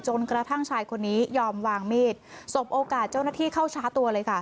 จนกระทั่งชายคนนี้ยอมวางมีดสบโอกาสเจ้าหน้าที่เข้าช้าตัวเลยค่ะ